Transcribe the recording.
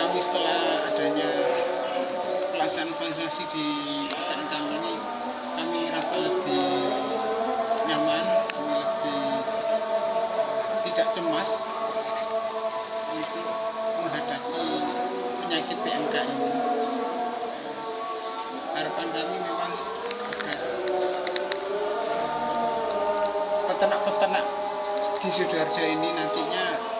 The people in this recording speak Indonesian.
harapan kami memang agar peternak peternak di sidoarjo ini nantinya